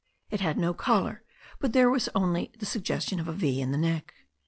It had no collar, but there was only the suggestion of a V in the neck.